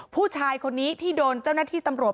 ผู้ชายคนนี้ที่โดนเจ้าหน้าที่ตำรวจ